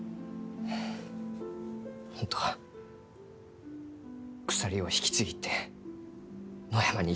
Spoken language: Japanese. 本当は鎖を引きちぎって野山に行きたい。